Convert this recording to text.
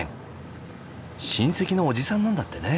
親戚の叔父さんなんだってね。